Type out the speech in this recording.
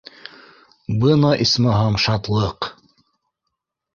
Бына, исмаһам, шатлыҡ.